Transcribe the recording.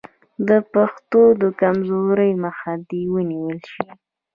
د پښتو د کمزورۍ مخه دې ونیول شي.